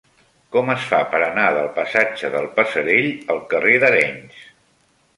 Com es fa per anar del passatge del Passerell al carrer d'Arenys?